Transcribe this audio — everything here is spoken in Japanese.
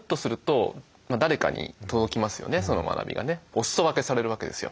おすそ分けされるわけですよ。